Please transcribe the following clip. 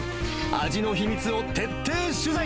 味の秘密を徹底取材。